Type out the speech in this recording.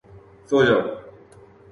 سو جاؤ!